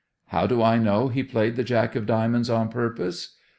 How do I know he played the jack of diamonds on purpose?